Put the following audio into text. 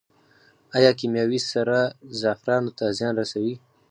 آیا کیمیاوي سره زعفرانو ته زیان رسوي؟